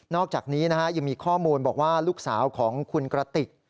อกจากนี้ยังมีข้อมูลบอกว่าลูกสาวของคุณกระติก